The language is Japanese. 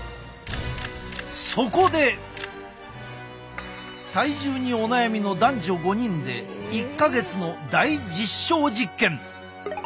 そこで体重にお悩みの男女５人で１か月の大実証実験。